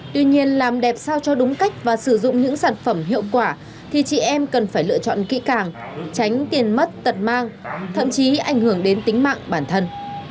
tuy nhiên làm đẹp sao cho đúng cách và sử dụng những sản phẩm hiệu quả thì chị em cần phải lựa chọn kỹ càng tránh tiền mất tật mang thậm chí ảnh hưởng đến tính mạng bản thân